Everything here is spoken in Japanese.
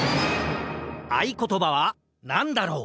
あいことばはなんだろう？